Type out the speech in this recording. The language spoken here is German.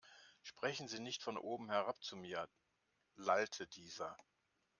Sprechen Sie nicht von oben herab zu mir, lallte dieser.